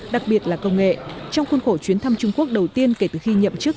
đặc biệt là công nghệ trong khuôn khổ chuyến thăm trung quốc đầu tiên kể từ khi nhậm chức